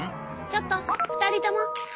ちょっと２人とも。